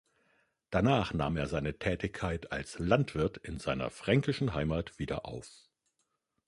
Danach nahm er seine Tätigkeit als Landwirt in seiner fränkischen Heimat wieder auf.